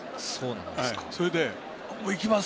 それで、いきます！